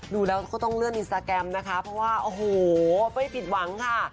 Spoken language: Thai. ดูแล้วก็ต้องเลื่อนอินสตาแกรมนะคะเพราะว่าโอ้โหไม่ผิดหวังค่ะ